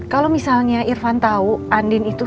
kalau misalnya irfan tahu andin itu